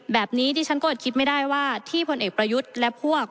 แบบนี้ดิฉันก็อดคิดไม่ได้ว่าที่พลเอกประยุทธ์และพวก